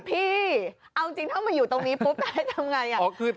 พี่เอาจริงถ้ามาอยู่ตรงนี้ปุ๊บจะให้ทำงานอย่างนี้